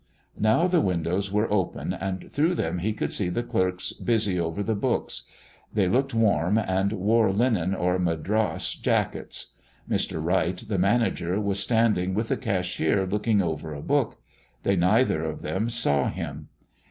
Now the windows were open, and through them he could see the clerks busy over the books. They looked warm, and wore linen or madras jackets. Mr. Wright, the manager, was standing with the cashier looking over a book. They neither of them saw him.